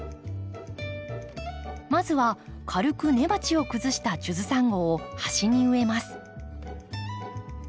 まずは軽く根鉢を崩したジュズサンゴを端に植えます。